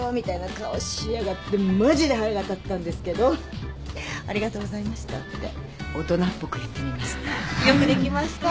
マジで腹が立ったんですけど「ありがとうございました」って大人っぽく言ってみました。